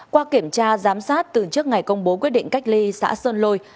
qua kiểm tra giám sát từ trước ngày công bố quyết định cách ly xã sơn lôi